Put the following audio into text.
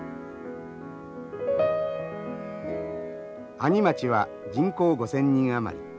阿仁町は人口５，０００人余り。